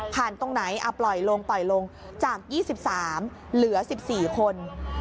ตรงไหนปล่อยลงปล่อยลงจาก๒๓เหลือ๑๔คน